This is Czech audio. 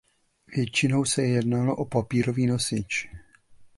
Většinou se jednalo o papírový nosič.